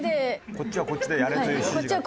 「こっちはこっちでやれという指示が」。